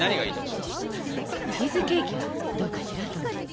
チーズケーキはどうかしらと思って。